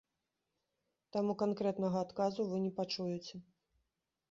Таму канкрэтнага адказу вы не пачуеце.